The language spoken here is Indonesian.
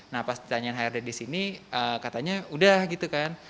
nah pas pertanyaan hrd di sini katanya udah gitu kan